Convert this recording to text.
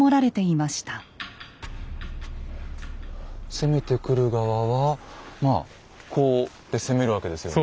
攻めてくる側はまあこうで攻めるわけですよね。